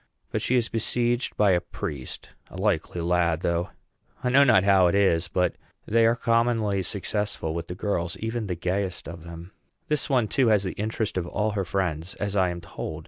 But she is besieged by a priest a likely lad though. I know not how it is, but they are commonly successful with the girls, even the gayest of them. This one, too, has the interest of all her friends, as I am told.